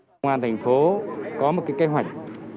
công an tp hcm có một kế hoạch